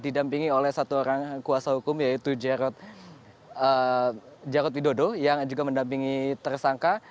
didampingi oleh satu orang kuasa hukum yaitu jarod widodo yang juga mendampingi tersangka